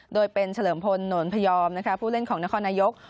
โดยเป็นเฉลิมพลหนนพยอมผู้เล่นของนครนายก